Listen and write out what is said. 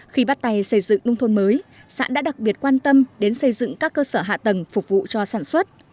khi bắt tay xây dựng nông thôn mới xã đã đặc biệt quan tâm đến xây dựng các cơ sở hạ tầng phục vụ cho sản xuất